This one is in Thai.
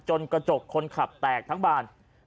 กระจกคนขับแตกทั้งบาน